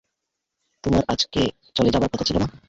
তোমার আজকে চলে যাবার কথা ছিল না?